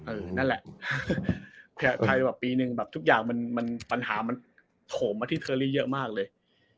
เออนั่นแหละภายในปีหนึ่งทุกอย่างมันปัญหามันโถมละที่เทอรี่เยอะมากเลย